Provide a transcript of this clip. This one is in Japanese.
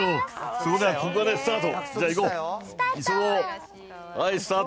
それじゃあ、ここからスタート。